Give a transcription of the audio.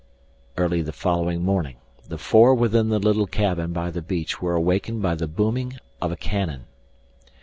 Early the following morning the four within the little cabin by the beach were awakened by the booming of a cannon.